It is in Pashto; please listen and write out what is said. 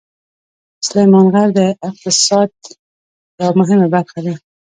سلیمان غر د اقتصاد یوه مهمه برخه ده.